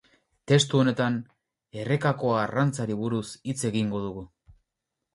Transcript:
Testu honetan, errekako arrantzari buruz hitz egingo dugu.